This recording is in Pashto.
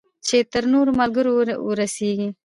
چې تر نورو ملګرو ورسیږي.